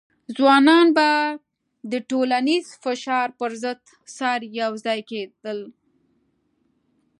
ځوانان به د ټولنیز فشار پر ضد سره یوځای کېدل.